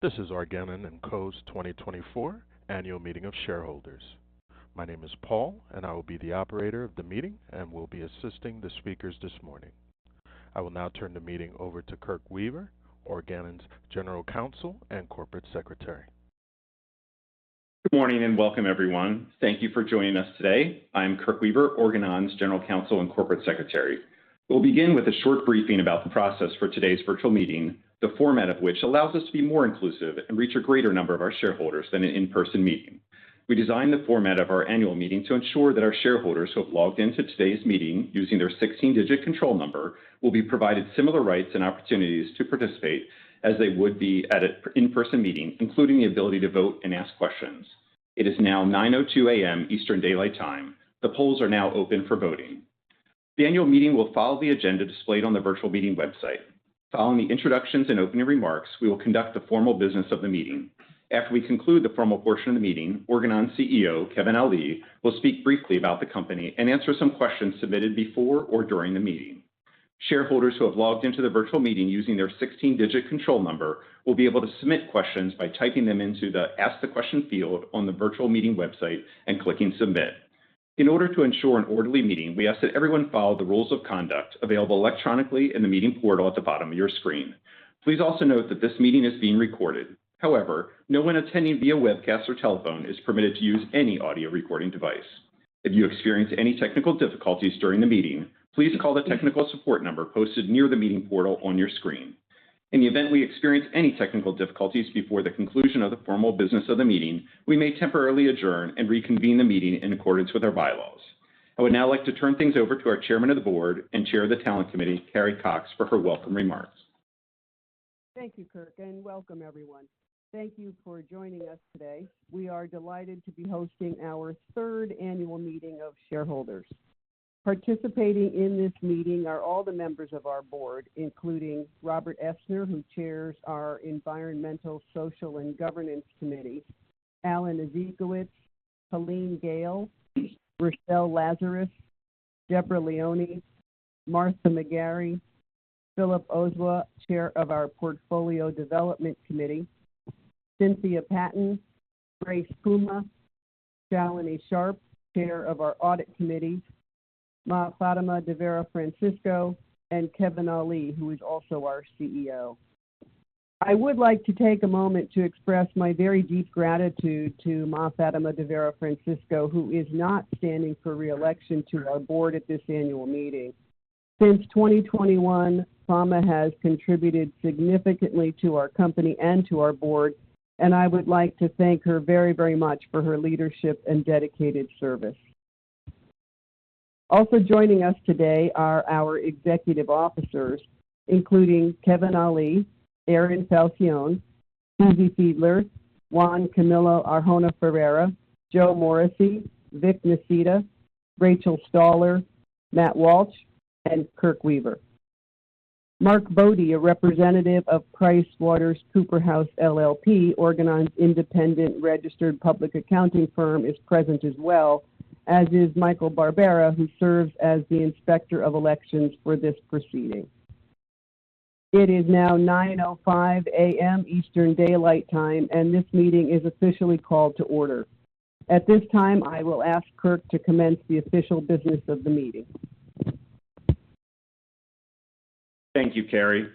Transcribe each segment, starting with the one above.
This is Organon & Co.'s 2024 Annual Meeting of Shareholders. My name is Paul, and I will be the operator of the meeting and will be assisting the speakers this morning. I will now turn the meeting over to Kirke Weaver, Organon's General Counsel and Corporate Secretary. Good morning, and welcome, everyone. Thank you for joining us today. I'm Kirke Weaver, Organon's General Counsel and Corporate Secretary. We'll begin with a short briefing about the process for today's virtual meeting, the format of which allows us to be more inclusive and reach a greater number of our shareholders than an in-person meeting. We designed the format of our annual meeting to ensure that our shareholders who have logged into today's meeting using their 16-digit control number will be provided similar rights and opportunities to participate as they would be at an in-person meeting, including the ability to vote and ask questions. It is now 9:02 A.M. Eastern Daylight Time. The polls are now open for voting. The annual meeting will follow the agenda displayed on the virtual meeting website. Following the introductions and opening remarks, we will conduct the formal business of the meeting. After we conclude the formal portion of the meeting, Organon CEO, Kevin Ali, will speak briefly about the company and answer some questions submitted before or during the meeting. Shareholders who have logged into the virtual meeting using their 16-digit control number will be able to submit questions by typing them into the Ask the Question field on the Virtual Meeting website and clicking Submit. In order to ensure an orderly meeting, we ask that everyone follow the rules of conduct available electronically in the meeting portal at the bottom of your screen. Please also note that this meeting is being recorded. However, no one attending via webcast or telephone is permitted to use any audio recording device. If you experience any technical difficulties during the meeting, please call the technical support number posted near the meeting portal on your screen. In the event we experience any technical difficulties before the conclusion of the formal business of the meeting, we may temporarily adjourn and reconvene the meeting in accordance with our bylaws. I would now like to turn things over to our Chairman of the Board and Chair of the Talent Committee, Carrie Cox, for her welcome remarks. Thank you, Kirke, and welcome, everyone. Thank you for joining us today. We are delighted to be hosting our third Annual Meeting of Shareholders. Participating in this meeting are all the members of our board, including Robert Essner, who chairs our Environmental, Social and Governance Committee, Alan Ezekowitz, Helene Gayle, Rochelle Lazarus, Deborah Leone, Martha McGarry, Philip Ozuah, Chair of our Portfolio Development Committee, Cynthia Patton, Grace Puma, Shalini Sharp, Chair of our Audit Committee, Ma. Fatima de Vera Francisco, and Kevin Ali, who is also our CEO. I would like to take a moment to express my very deep gratitude to Ma. Fatima de Vera Francisco, who is not standing for re-election to our board at this annual meeting. Since 2021, Fatima has contributed significantly to our company and to our board, and I would like to thank her very, very much for her leadership and dedicated service. Also joining us today are our executive officers, including Kevin Ali, Aaron Falcione, Susie Fiedler, Juan Camilo Arjona Ferreira, Joe Morrissey, Vic Nisita, Rachel Stahler, Matt Walsh, and Kirke Weaver. Mark Bode, a representative of PricewaterhouseCoopers LLP, Organon's independent registered public accounting firm, is present as well, as is Michael Barbera, who serves as the Inspector of Election for this proceeding. It is now 9:05 A.M. Eastern Daylight Time, and this meeting is officially called to order. At this time, I will ask Kirke to commence the official business of the meeting. Thank you, Carrie.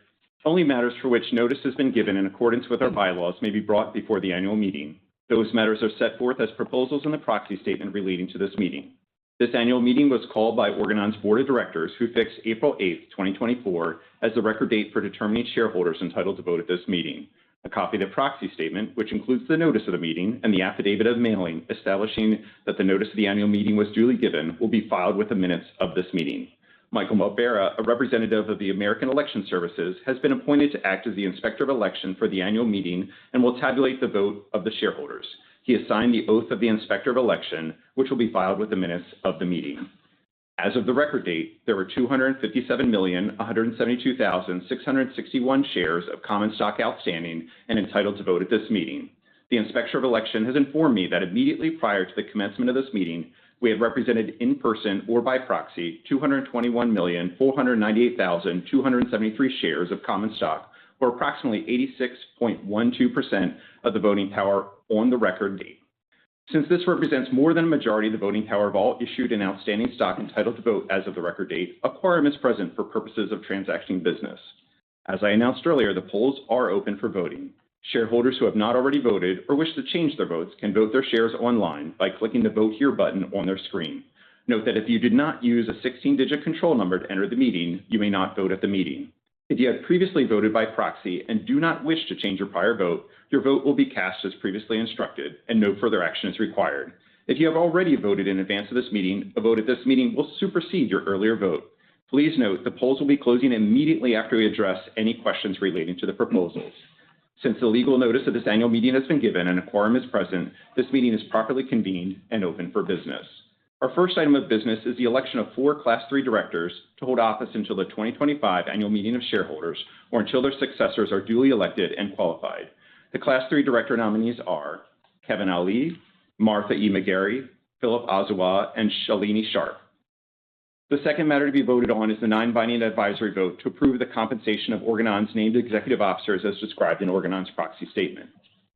Only matters for which notice has been given in accordance with our bylaws may be brought before the annual meeting. Those matters are set forth as proposals in the proxy statement relating to this meeting. This annual meeting was called by Organon's Board of Directors, who fixed April 8, 2024, as the record date for determining shareholders entitled to vote at this meeting. A copy of the proxy statement, which includes the notice of the meeting and the affidavit of mailing, establishing that the notice of the annual meeting was duly given, will be filed with the minutes of this meeting. Michael Barbera, a representative of the American Election Services, has been appointed to act as the Inspector of Election for the annual meeting and will tabulate the vote of the shareholders. He has signed the Oath of the Inspector of Election, which will be filed with the minutes of the meeting. As of the record date, there were 257,172,661 shares of common stock outstanding and entitled to vote at this meeting. The Inspector of Election has informed me that immediately prior to the commencement of this meeting, we have represented in person or by proxy, 221,498,273 shares of common stock, or approximately 86.12% of the voting power on the record date. Since this represents more than a majority of the voting power of all issued and outstanding stock entitled to vote as of the record date, a quorum is present for purposes of transacting business. As I announced earlier, the polls are open for voting. Shareholders who have not already voted or wish to change their votes can vote their shares online by clicking the Vote Here button on their screen. Note that if you did not use a 16-digit control number to enter the meeting, you may not vote at the meeting. If you have previously voted by proxy and do not wish to change your prior vote, your vote will be cast as previously instructed, and no further action is required. If you have already voted in advance of this meeting, a vote at this meeting will supersede your earlier vote. Please note, the polls will be closing immediately after we address any questions relating to the proposals. Since the legal notice of this annual meeting has been given and a quorum is present, this meeting is properly convened and open for business. Our first item of business is the election of four Class three directors to hold office until the 2025 Annual Meeting of Shareholders or until their successors are duly elected and qualified. The Class three director nominees are Kevin Ali, Martha E. McGarry, Philip Ozuah, and Shalini Sharp. The second matter to be voted on is the non-binding advisory vote to approve the compensation of Organon's named executive officers as described in Organon's proxy statement.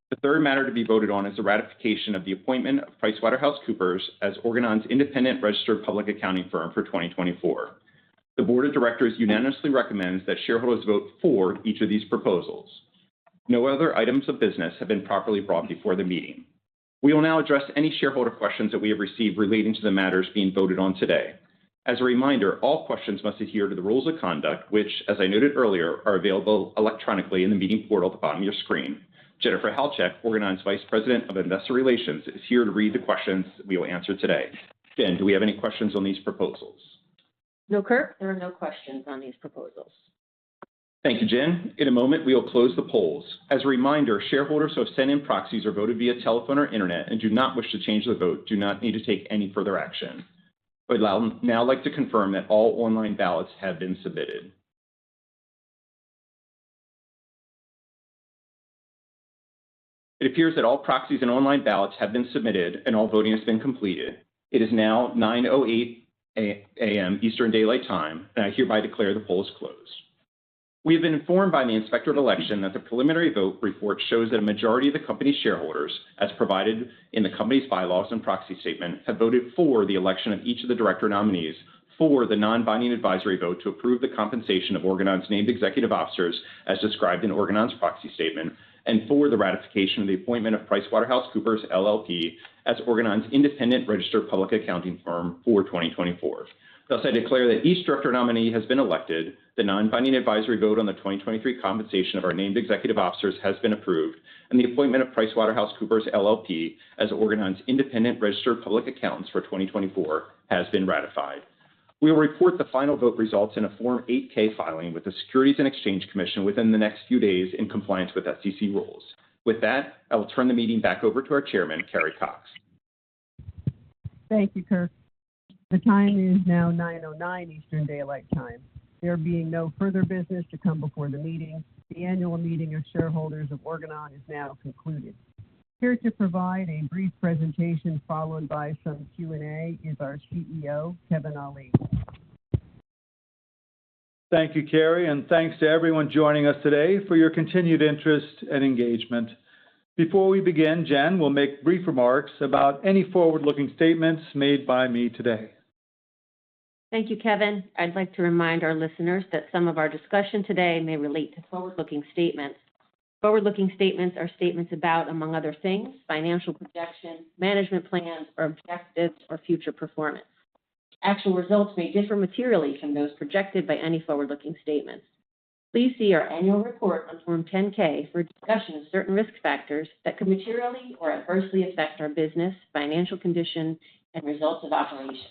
The third matter to be voted on is the ratification of the appointment of PricewaterhouseCoopers as Organon's independent registered public accounting firm for 2024. The board of directors unanimously recommends that shareholders vote for each of these proposals. No other items of business have been properly brought before the meeting. We will now address any shareholder questions that we have received relating to the matters being voted on today. As a reminder, all questions must adhere to the rules of conduct, which, as I noted earlier, are available electronically in the meeting portal at the bottom of your screen. Jennifer Halchak, Organon's Vice President of Investor Relations, is here to read the questions we will answer today. Jen, do we have any questions on these proposals? No, Kirke, there are no questions on these proposals. Thank you, Jen. In a moment, we will close the polls. As a reminder, shareholders who have sent in proxies or voted via telephone or internet and do not wish to change their vote, do not need to take any further action. I would now like to confirm that all online ballots have been submitted. It appears that all proxies and online ballots have been submitted and all voting has been completed. It is now 9:08 A.M., Eastern Daylight Time, and I hereby declare the poll is closed. We have been informed by the Inspector of Election that the preliminary vote report shows that a majority of the company's shareholders, as provided in the company's bylaws and proxy statement, have voted for the election of each of the director nominees for the non-binding advisory vote to approve the compensation of Organon's named executive officers as described in Organon's proxy statement, and for the ratification of the appointment of PricewaterhouseCoopers LLP as Organon's independent registered public accounting firm for 2024. Thus, I declare that each director nominee has been elected, the non-binding advisory vote on the 2023 compensation of our named executive officers has been approved, and the appointment of PricewaterhouseCoopers LLP as Organon's independent registered public accountants for 2024 has been ratified. We will report the final vote results in a Form 8-K filing with the Securities and Exchange Commission within the next few days in compliance with SEC rules. With that, I will turn the meeting back over to our Chairman, Carrie Cox. Thank you, Kirke. The time is now 9:09 A.M. Eastern Daylight Time. There being no further business to come before the meeting, the annual meeting of shareholders of Organon is now concluded. Here to provide a brief presentation followed by some Q&A is our CEO, Kevin Ali. Thank you, Carrie, and thanks to everyone joining us today for your continued interest and engagement. Before we begin, Jen will make brief remarks about any forward-looking statements made by me today. Thank you, Kevin. I'd like to remind our listeners that some of our discussion today may relate to forward-looking statements. Forward-looking statements are statements about, among other things, financial projections, management plans or objectives, or future performance. Actual results may differ materially from those projected by any forward-looking statements. Please see our annual report on Form 10-K for a discussion of certain risk factors that could materially or adversely affect our business, financial condition, and results of operations.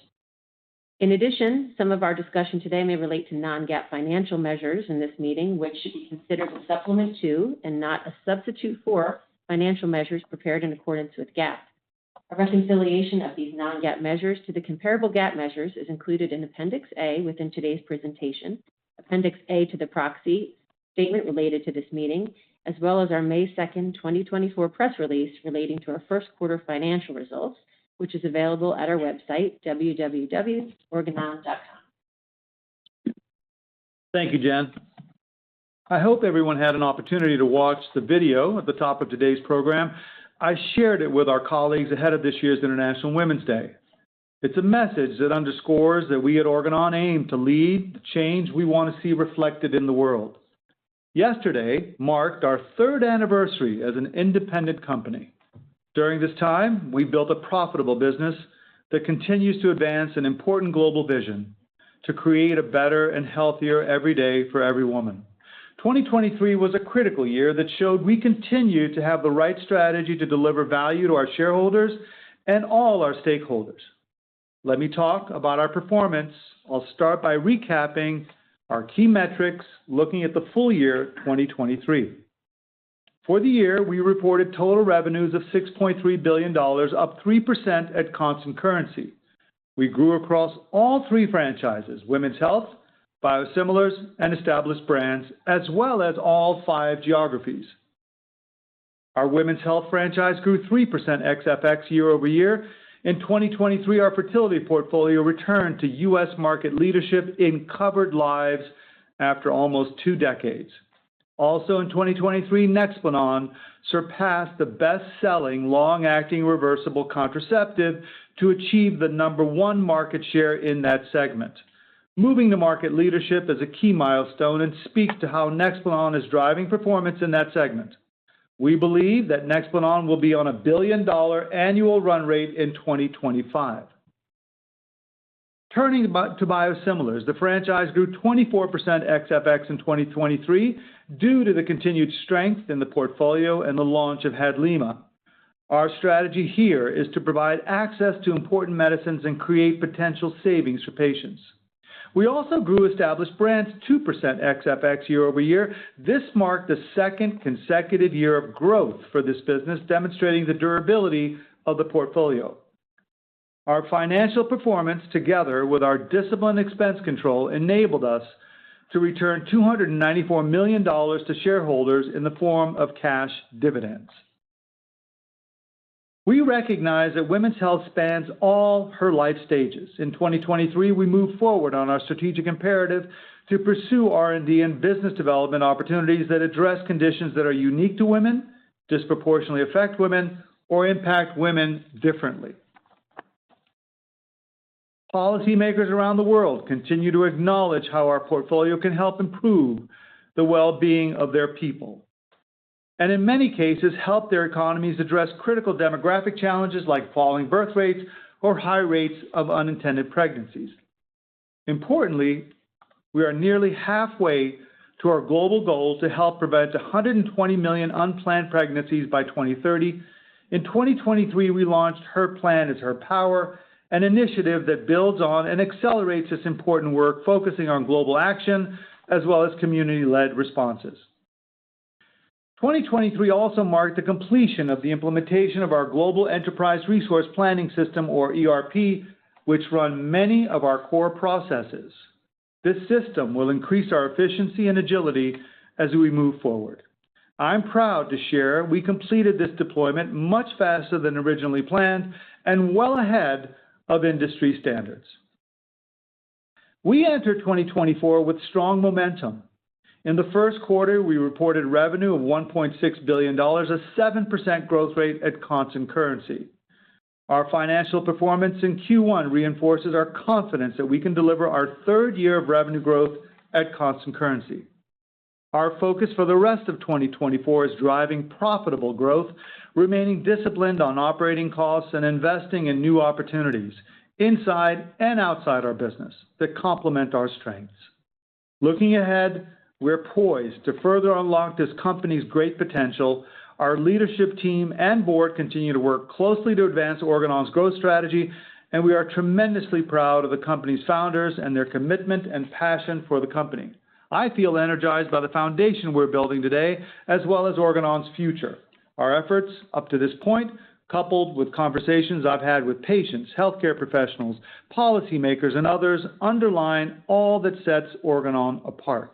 In addition, some of our discussion today may relate to non-GAAP financial measures in this meeting, which should be considered a supplement to, and not a substitute for, financial measures prepared in accordance with GAAP. A reconciliation of these non-GAAP measures to the comparable GAAP measures is included in Appendix A within today's presentation, Appendix A to the proxy statement related to this meeting, as well as our May 2, 2024, press release relating to our first quarter financial results, which is available at our website, www.organon.com. Thank you, Jen. I hope everyone had an opportunity to watch the video at the top of today's program. I shared it with our colleagues ahead of this year's International Women's Day. It's a message that underscores that we at Organon aim to lead the change we want to see reflected in the world. Yesterday marked our third anniversary as an independent company. During this time, we built a profitable business that continues to advance an important global vision: to create a better and healthier every day for every woman. 2023 was a critical year that showed we continue to have the right strategy to deliver value to our shareholders and all our stakeholders. Let me talk about our performance. I'll start by recapping our key metrics looking at the full year 2023. For the year, we reported total revenues of $6.3 billion, up 3% at constant currency. We grew across all three franchises, women's health, biosimilars, and established brands, as well as all five geographies. Our women's health franchise grew 3% ex FX year-over-year. In 2023, our fertility portfolio returned to U.S. market leadership in covered lives after almost two decades. Also in 2023, Nexplanon surpassed the best-selling, long-acting, reversible contraceptive to achieve the number one market share in that segment. Moving to market leadership is a key milestone and speaks to how Nexplanon is driving performance in that segment. We believe that Nexplanon will be on a billion-dollar annual run rate in 2025. Turning back to biosimilars, the franchise grew 24% ex FX in 2023 due to the continued strength in the portfolio and the launch of Hadlima. Our strategy here is to provide access to important medicines and create potential savings for patients. We also grew established brands, 2% ex FX year-over-year. This marked the second consecutive year of growth for this business, demonstrating the durability of the portfolio. Our financial performance, together with our disciplined expense control, enabled us to return $294 million to shareholders in the form of cash dividends. We recognize that women's health spans all her life stages. In 2023, we moved forward on our strategic imperative to pursue R&D and business development opportunities that address conditions that are unique to women, disproportionately affect women, or impact women differently. Policy makers around the world continue to acknowledge how our portfolio can help improve the well-being of their people, and in many cases, help their economies address critical demographic challenges like falling birth rates or high rates of unintended pregnancies. Importantly, we are nearly halfway to our global goal to help prevent 120 million unplanned pregnancies by 2030. In 2023, we launched Her Plan Is Her Power, an initiative that builds on and accelerates this important work, focusing on global action as well as community-led responses. 2023 also marked the completion of the implementation of our global enterprise resource planning system, or ERP, which run many of our core processes. This system will increase our efficiency and agility as we move forward. I'm proud to share we completed this deployment much faster than originally planned and well ahead of industry standards. We enter 2024 with strong momentum. In the first quarter, we reported revenue of $1.6 billion, a 7% growth rate at constant currency. Our financial performance in Q1 reinforces our confidence that we can deliver our third year of revenue growth at constant currency. Our focus for the rest of 2024 is driving profitable growth, remaining disciplined on operating costs, and investing in new opportunities inside and outside our business that complement our strengths. Looking ahead, we're poised to further unlock this company's great potential. Our leadership team and board continue to work closely to advance Organon's growth strategy, and we are tremendously proud of the company's founders and their commitment and passion for the company. I feel energized by the foundation we're building today, as well as Organon's future. Our efforts up to this point, coupled with conversations I've had with patients, healthcare professionals, policymakers, and others, underline all that sets Organon apart,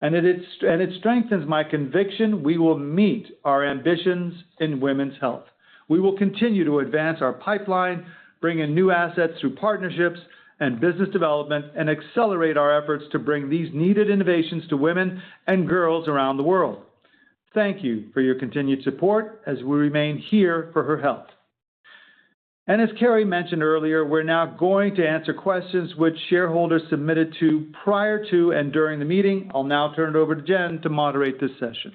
and it strengthens my conviction we will meet our ambitions in women's health. We will continue to advance our pipeline, bring in new assets through partnerships and business development, and accelerate our efforts to bring these needed innovations to women and girls around the world. Thank you for your continued support as we remain here for her health. As Carrie mentioned earlier, we're now going to answer questions which shareholders submitted prior to and during the meeting. I'll now turn it over to Jen to moderate this session.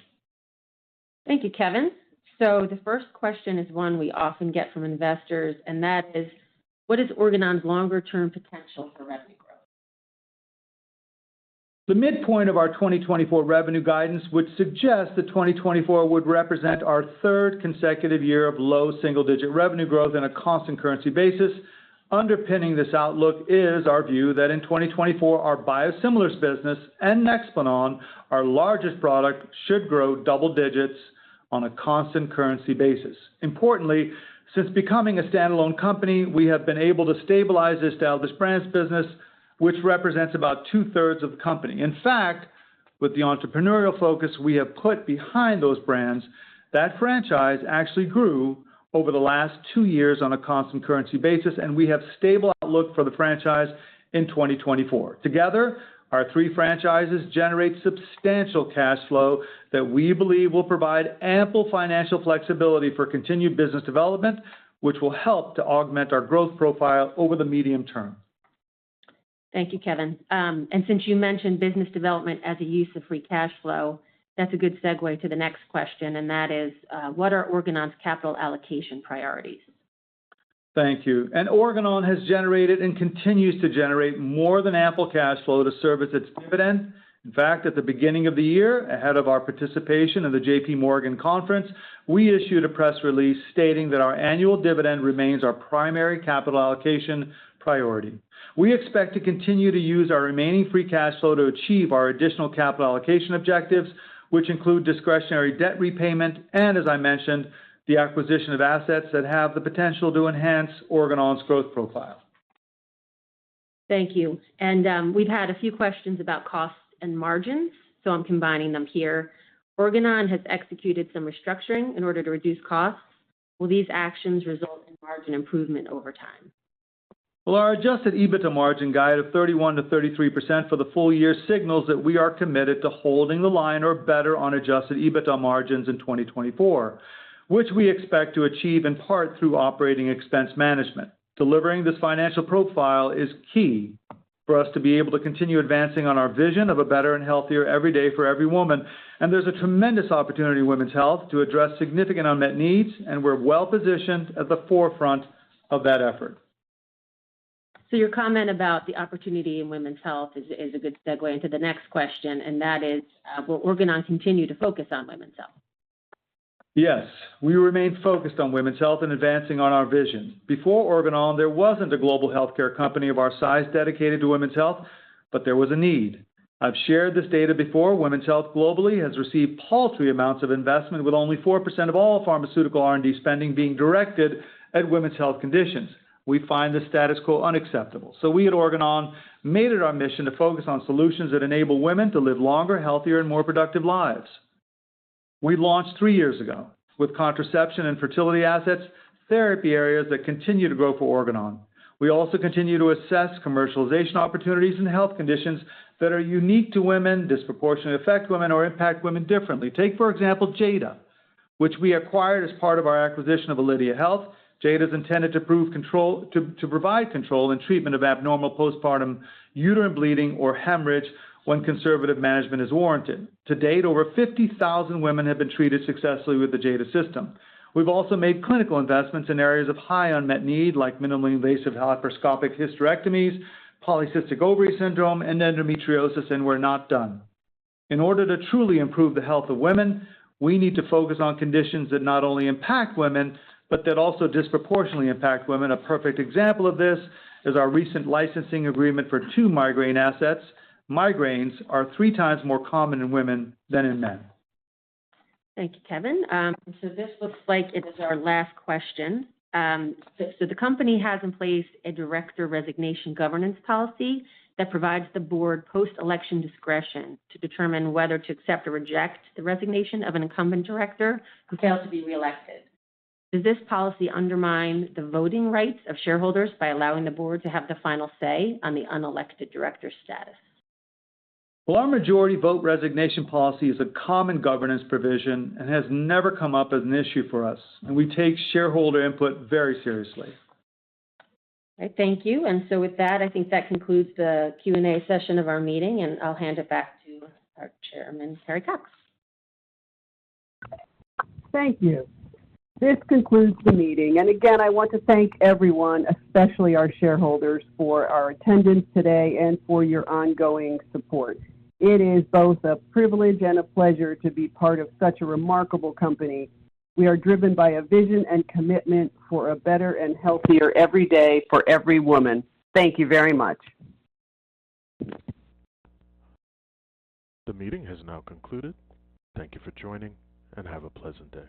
Thank you, Kevin. So the first question is one we often get from investors, and that is: What is Organon's longer-term potential for revenue growth? The midpoint of our 2024 revenue guidance would suggest that 2024 would represent our third consecutive year of low single-digit revenue growth on a constant currency basis. Underpinning this outlook is our view that in 2024, our biosimilars business and Nexplanon, our largest product, should grow double digits on a constant currency basis. Importantly, since becoming a standalone company, we have been able to stabilize this Established Brands business, which represents about two-thirds of the company. In fact, with the entrepreneurial focus we have put behind those brands, that franchise actually grew over the last two years on a constant currency basis, and we have stable outlook for the franchise in 2024. Together, our three franchises generate substantial cash flow that we believe will provide ample financial flexibility for continued business development, which will help to augment our growth profile over the medium term. Thank you, Kevin. And since you mentioned business development as a use of free cash flow, that's a good segue to the next question, and that is, what are Organon's capital allocation priorities? Thank you. Organon has generated and continues to generate more than ample cash flow to service its dividend. In fact, at the beginning of the year, ahead of our participation in the JPMorgan conference, we issued a press release stating that our annual dividend remains our primary capital allocation priority. We expect to continue to use our remaining free cash flow to achieve our additional capital allocation objectives, which include discretionary debt repayment, and as I mentioned, the acquisition of assets that have the potential to enhance Organon's growth profile. Thank you. And, we've had a few questions about costs and margins, so I'm combining them here. Organon has executed some restructuring in order to reduce costs. Will these actions result in margin improvement over time? Well, our Adjusted EBITDA margin guide of 31%-33% for the full year signals that we are committed to holding the line or better on Adjusted EBITDA margins in 2024, which we expect to achieve in part through operating expense management. Delivering this financial profile is key for us to be able to continue advancing on our vision of a better and healthier every day for every woman, and there's a tremendous opportunity in women's health to address significant unmet needs, and we're well-positioned at the forefront of that effort. So your comment about the opportunity in women's health is a good segue into the next question, and that is, will Organon continue to focus on women's health? Yes, we remain focused on women's health and advancing on our vision. Before Organon, there wasn't a global healthcare company of our size dedicated to women's health, but there was a need. I've shared this data before. Women's Health globally has received paltry amounts of investment, with only 4% of all pharmaceutical R&D spending being directed at women's health conditions. We find the status quo unacceptable, so we at Organon made it our mission to focus on solutions that enable women to live longer, healthier, and more productive lives.... We launched three years ago with contraception and fertility assets, therapy areas that continue to grow for Organon. We also continue to assess commercialization opportunities and health conditions that are unique to women, disproportionately affect women, or impact women differently. Take, for example, Jada, which we acquired as part of our acquisition of Alydia Health. Jada is intended to provide control and treatment of abnormal postpartum uterine bleeding or hemorrhage when conservative management is warranted. To date, over 50,000 women have been treated successfully with the Jada system. We've also made clinical investments in areas of high unmet need, like minimally invasive laparoscopic hysterectomies, polycystic ovary syndrome, and endometriosis, and we're not done. In order to truly improve the health of women, we need to focus on conditions that not only impact women but that also disproportionately impact women. A perfect example of this is our recent licensing agreement for two migraine assets. Migraines are three times more common in women than in men. Thank you, Kevin. So this looks like it is our last question. So the company has in place a director resignation governance policy that provides the board post-election discretion to determine whether to accept or reject the resignation of an incumbent director who fails to be reelected. Does this policy undermine the voting rights of shareholders by allowing the board to have the final say on the unelected director's status? Well, our majority vote resignation policy is a common governance provision and has never come up as an issue for us, and we take shareholder input very seriously. All right, thank you. So with that, I think that concludes the Q&A session of our meeting, and I'll hand it back to our chairman, Carrie Cox. Thank you. This concludes the meeting. Again, I want to thank everyone, especially our shareholders, for our attendance today and for your ongoing support. It is both a privilege and a pleasure to be part of such a remarkable company. We are driven by a vision and commitment for a better and healthier every day for every woman. Thank you very much. The meeting has now concluded. Thank you for joining, and have a pleasant day.